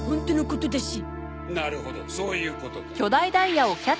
なるほどそういうことか。